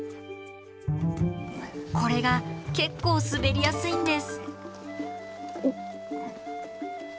これが結構滑りやすいんです。